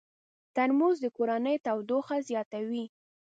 ترموز د کورنۍ تودوخه زیاتوي.